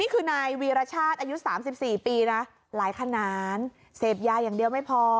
นี่คือนายวีรชาติอายุสามสิบสี่ปีน่ะหลายขนานเสพยาอย่างเดียวไม่พอ